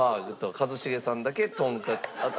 一茂さんだけとんかつあーっと！